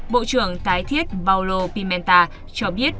bộ trưởng tái thiết paulo pimenta cho biết